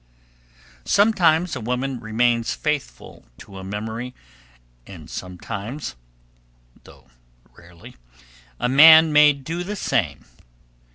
Sometimes a woman remains faithful to a memory, and sometimes, though rarely, a man may do the same.